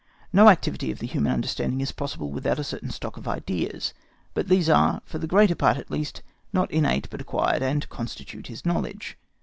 No activity of the human understanding is possible without a certain stock of ideas; but these are, for the greater part at least, not innate but acquired, and constitute his knowledge.